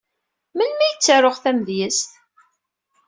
Melmi ay ttaruɣ tamedyazt?